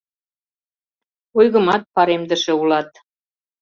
Ойгымат паремдыше улат